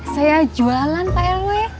saya jualan pak rw